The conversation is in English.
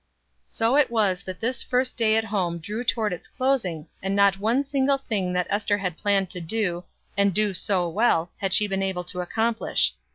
So it was that this first day at home drew toward its closing; and not one single thing that Ester had planned to do, and do so well, had she been able to accomplish.